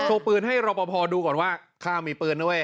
โชว์ปืนให้รอป่าวพอดูก่อนว่าข้ามีปืนนะเว้ย